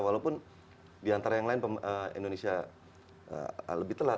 walaupun diantara yang lain indonesia lebih telat